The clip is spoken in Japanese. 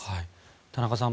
田中さん